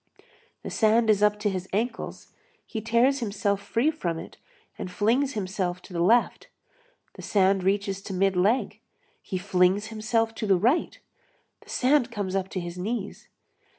The sand is up to his ankles, he tears himself free from it and flings himself to the left, the sand reaches to mid leg, he flings himself to the right, the sand comes up to his knees.